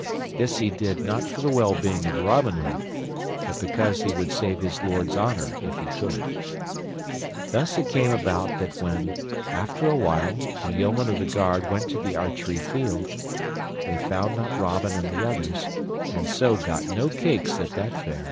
This he did not for the well being of Robin Hood, but because he would save his lord's honor if he could. Thus it came about that when, after a while, the yeomen of the guard went to the archery field, they found not Robin and the others, and so got no cakes at that fair.